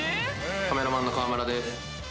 カメラマンの川村です